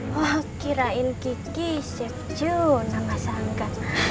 wah kirain kiki chef juna mas angga